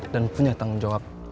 dan punya tanggung jawab